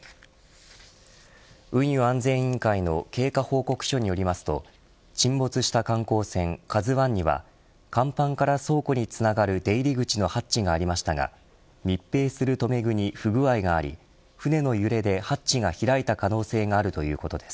運輸安全委員会の経過報告書によりますと沈没した観光船ＫＡＺＵ１には甲板から倉庫につながる出入り口のハッチがありましたが密閉する留め具に不具合があり船の揺れでハッチが開いた可能性があるということです。